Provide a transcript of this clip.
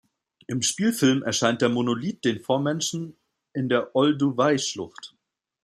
Im Spielfilm erscheint der Monolith den Vormenschen in der Olduvai-Schlucht.